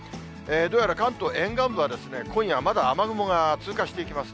どうやら関東沿岸部は、今夜はまだ雨雲が通過していきます。